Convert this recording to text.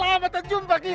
lama tak jumpa kita